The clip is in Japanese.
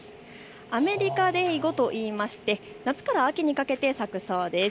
アメリカデイゴと言いまして夏から秋にかけて咲くそうです。